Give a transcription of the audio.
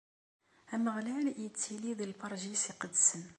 Ameɣlal ittili di lberǧ-is iqedsen.